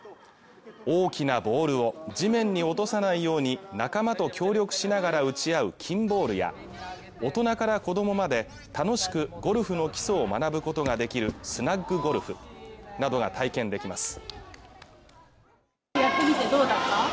大きなボールを地面に落とさないように仲間と協力しながら打ち合うキンボールや大人から子供まで楽しくゴルフの基礎を学ぶことができるスナッグゴルフなどが体験できます